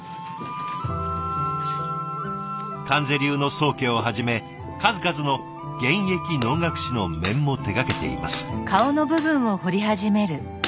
観世流の宗家をはじめ数々の現役能楽師の面も手がけています。